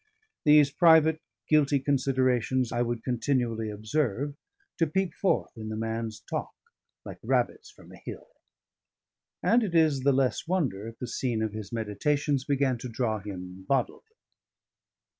These private, guilty considerations I would continually observe to peep forth in the man's talk, like rabbits from a hill. And it is the less wonder if the scene of his meditations began to draw him bodily.